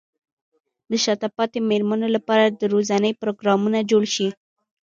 د شاته پاتې مېرمنو لپاره د روزنې پروګرامونه جوړ شي.